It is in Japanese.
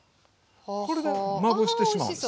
これでまぶしてしまうんですよ。